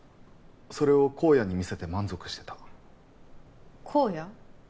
それを公哉に見せて満足してた公哉？